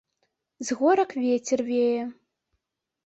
З горак вецер вее.